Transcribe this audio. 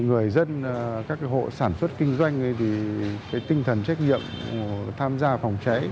người dân các hộ sản xuất kinh doanh thì tinh thần trách nhiệm tham gia phòng cháy